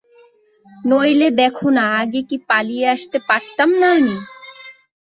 নইলে দ্যাখো না, আগে কি পালিয়ে আসতে পারতাম না আমি?